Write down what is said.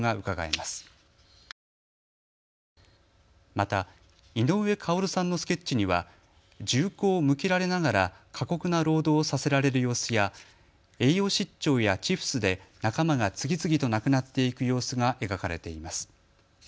また、井上馨さんのスケッチには銃口を向けられながら過酷な労働をさせられる様子や栄養失調やチフスで仲間が次々と亡くなっていく様子が描かれています。